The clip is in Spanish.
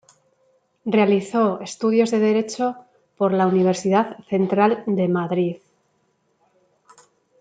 Realizó estudios de derecho por la Universidad Central de Madrid.